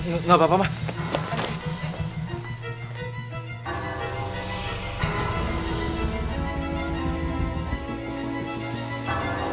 kamu kenapa bengong nak